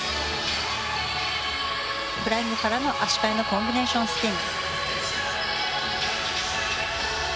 フライングからの足換えのコンビネーションスピン。